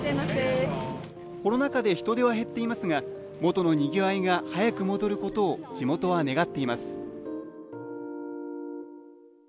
コロナ禍で人出は減っていますが元のにぎわいが早く戻ることを地元は願っています。